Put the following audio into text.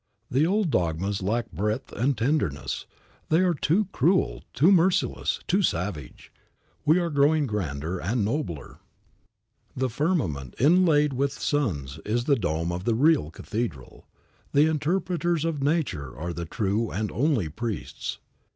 The old dogmas lack breadth and tenderness; they are too cruel, too merciless, too savage. We are growing grander and nobler. The firmament inlaid with suns is the dome of the real cathedral. The interpreters of nature are the true and only priests.